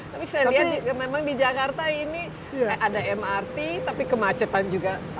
tapi saya lihat memang di jakarta ini ada mrt tapi kemacetan juga